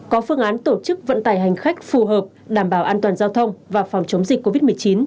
có phương án tổ chức vận tải hành khách phù hợp đảm bảo an toàn giao thông và phòng chống dịch covid một mươi chín